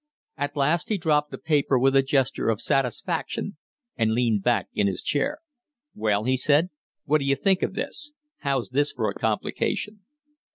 At last he dropped the paper with a gesture of satisfaction and leaned back in his chair. "Well," he said, "what d'you think of this? How's this for a complication?"